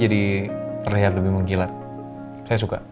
jadi terlihat lebih menggilat saya suka